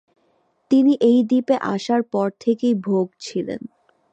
তিনি এই দ্বীপে আসার পর থেকেই ভোগ ছিলেন।